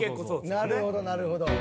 なるほどなるほど。